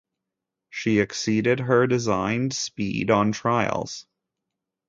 She exceeded her designed speed on trials.